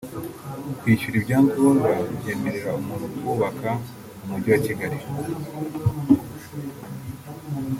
kwishyura ibyangombwa byemerera umuntu kubaka mu Mujyi wa Kigali